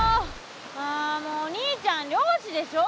ああもうお兄ちゃん漁師でしょ。